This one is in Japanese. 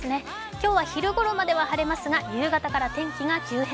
今日は昼ごろまでは晴れますが、夕方から天気が急変。